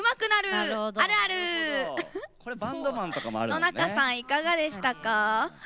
野中さん、いかがでしたか？